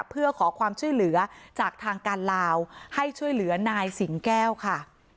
เพื่อขอความช่วยเหลือจากทางการลาวให้ช่วยเหลือนายสิงแก้วค่ะ